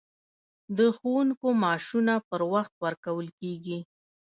د ښوونکو معاشونه پر وخت ورکول کیږي؟